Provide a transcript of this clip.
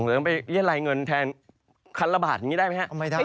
ผมจะไปเลี่ยงลายเงินแทนครั้งละบาทนี่ได้มั้ยครับ